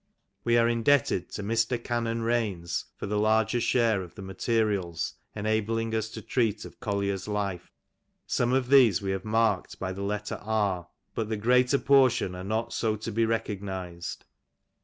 We are indebted to Mr. Canon Baines for the larger share of the mate rials enabling us to treat of Colliery's life. Some of these we have marked by the letter 72, but the greater portion are not so to be recognized.